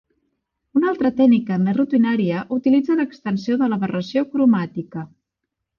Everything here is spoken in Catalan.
Una altra tècnica més rutinària utilitza l'extensió de l'aberració cromàtica.